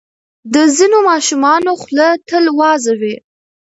د ځینو ماشومانو خوله تل وازه وي.